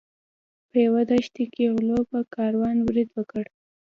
په یوه دښته کې غلو په کاروان برید وکړ.